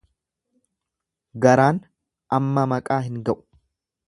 Garaan amma maqaa hin ga'u.